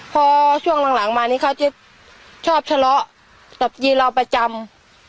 พอช่วงหลังมานี่เขาจะชอบทะเลาะกับยีเราประจำ